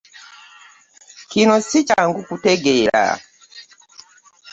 Kino si kyangu kutegeera.